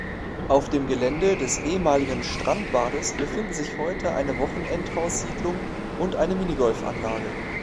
Auf dem Gelände des ehemaligen Strandbades befinden sich heute eine Wochenendhaus-Siedlung und eine Minigolfanlage.